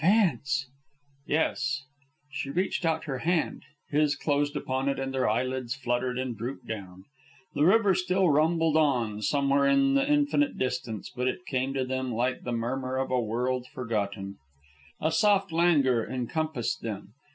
"Vance." "Yes." She reached out her hand; his closed upon it, and their eyelids fluttered and drooped down. The river still rumbled en, somewhere in the infinite distance, but it came to them like the murmur of a world forgotten. A soft languor encompassed them.